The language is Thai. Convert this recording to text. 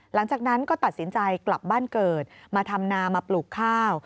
หลังจากนั้นก็ตัดสินใจกลับบ้านเกิดมาทำนามาปลูกข้าว